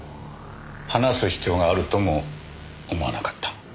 話す必要があるとも思わなかった。